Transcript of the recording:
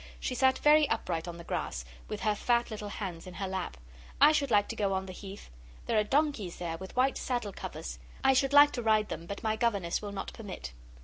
She sat very upright on the grass, with her fat little hands in her lap. 'I should like to go on the Heath. There are donkeys there, with white saddle covers. I should like to ride them, but my governess will not permit.